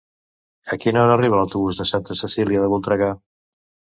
A quina hora arriba l'autobús de Santa Cecília de Voltregà?